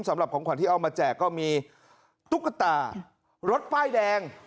สำหรับของขวัญที่เอามาแจกก็มีตุ๊กตารถป้ายแดง